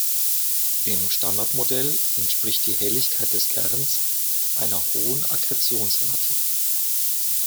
Im Standardmodell entspricht die Helligkeit des Kerns einer hohen Akkretionsrate.